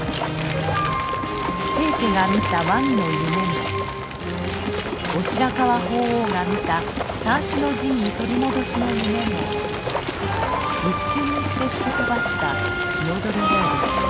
平家が見た和議の夢も後白河法皇が見た三種の神器取り戻しの夢も一瞬にして吹き飛ばした鵯越でした。